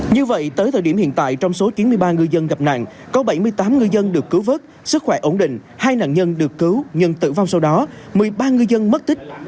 như vậy tới thời điểm hiện tại trong số chín mươi ba ngư dân gặp nạn có bảy mươi tám ngư dân được cứu vớt sức khỏe ổn định hai nạn nhân được cứu nhân tử vong sau đó một mươi ba ngư dân mất tích